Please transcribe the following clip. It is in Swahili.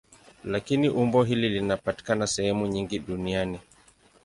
Lakini umbo hili linapatikana sehemu nyingi duniani.